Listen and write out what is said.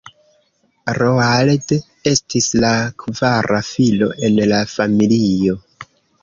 Roald estis la kvara filo en la familio.